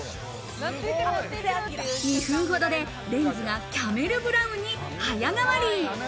２分ほどでレンズがキャメルブラウンに早変わり。